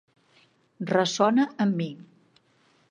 Ressona amb mi.